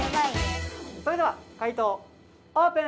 それでは解答オープン！